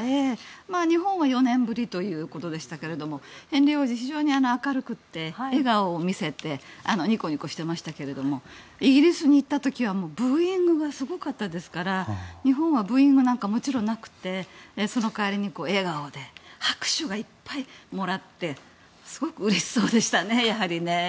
日本は４年ぶりということでしたけどもヘンリー王子、非常に明るくて笑顔を見せてニコニコしてましたがイギリスに行った時はブーイングがすごかったですから日本はブーイングなんかもちろんなくてその代わりに笑顔で拍手をいっぱいもらってすごくうれしそうでしたねやはりね。